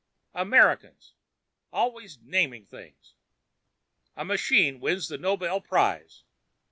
_ Americans!! always naming things. A machine wins the Nobel Prize.